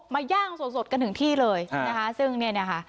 มาย่างสดสดกันถึงที่เลยฮะนะฮะซึ่งเนี้ยนะฮะ